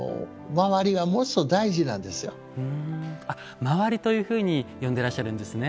「回り」というふうに呼んでらっしゃるんですね。